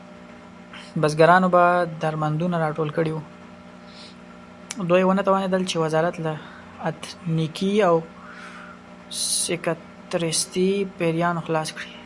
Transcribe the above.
دوی ونه توانېدل چې وزارت له اتنیکي او سکتریستي پیریانو خلاص کړي.